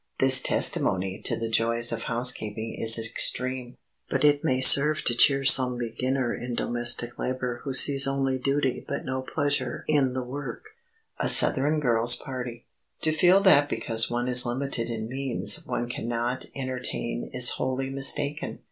This testimony to the joys of housekeeping is extreme, but it may serve to cheer some beginner in domestic labor who sees only duty but no pleasure in the work. [Sidenote: A SOUTHERN GIRL'S PARTY] To feel that because one is limited in means one can not entertain is wholly mistaken.